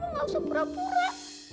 lu gak usah pura pura